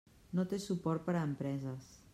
No té suport per a empreses.